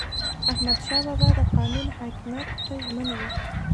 احمدشاه بابا د قانون حاکمیت ته ژمن و.